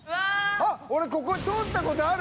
あっ俺ここ通ったことある！